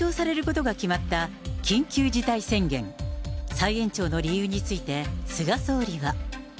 再延長の理由について、菅総理は。